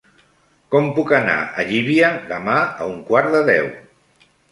Com puc anar a Llívia demà a un quart de deu?